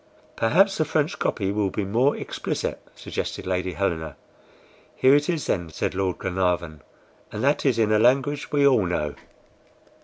"Perhaps the French copy will be more explicit," suggested Lady Helena. "Here it is, then," said Lord Glenarvan, "and that is in a language we all know."